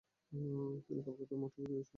তিনি কলকাতার মেটিয়াবুরুজে নির্বাসিত হন।